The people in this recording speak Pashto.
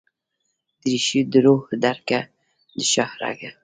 درېښو دروح درګه ، دشاهرګه